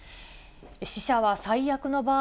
死者は最悪の場合